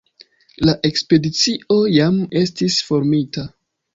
La ekspedicio jam estis formita.